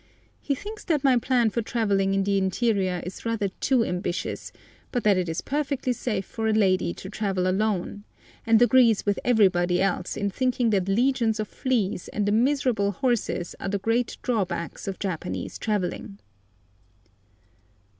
He thinks that my plan for travelling in the interior is rather too ambitious, but that it is perfectly safe for a lady to travel alone, and agrees with everybody else in thinking that legions of fleas and the miserable horses are the great drawbacks of Japanese travelling.